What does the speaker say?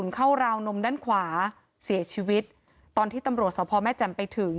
เข้าราวนมด้านขวาเสียชีวิตตอนที่ตำรวจสาวพอร์แม่จำไปถึง